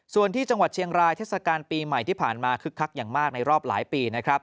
ส่วนที่จังหวัดเชียงรายเทศกาลปีใหม่ที่ผ่านมาคึกคักอย่างมากในรอบหลายปีนะครับ